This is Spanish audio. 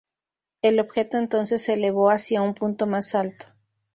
El objeto entonces se elevó hacia un punto más alto.